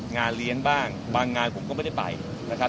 งานเลี้ยงบ้างบางงานผมก็ไม่ได้ไปนะครับ